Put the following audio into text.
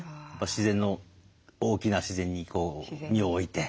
自然の大きな自然にこう身を置いて。